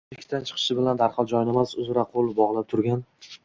U eshikdan chiqishn bilan darhol joynamoz uzra qo'l bog'lab turgan